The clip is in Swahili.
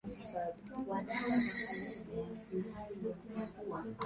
umri mkubwa na hayawezi kuwapata Kwa kweli wengi hawajui hatari zilizopo kama